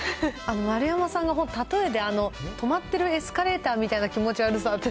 丸山さんが、例えで止まっているエスカレーターみたいな気持ち悪さって。